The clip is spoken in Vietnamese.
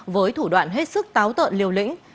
với thủ đoạn hết sức táo tợn liều lĩnh